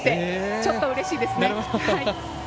ちょっとうれしいですね。